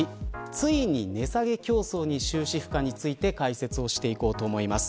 ついに値下げ競争に終止符かについて解説していこうと思います。